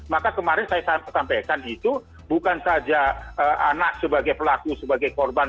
maka kemarin saya sampaikan itu bukan saja anak sebagai pelaku sebagai korban